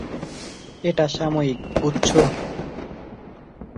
এটা সাময়িক, বুঝছ?